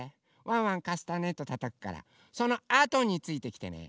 ワンワンカスタネットたたくからそのあとについてきてね。